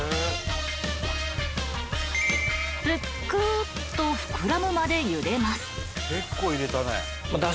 ［ぷくっと膨らむまでゆでます］